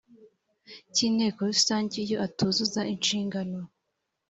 cy inteko rusange iyo atuzuza inshingano